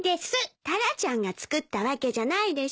タラちゃんが作ったわけじゃないでしょ。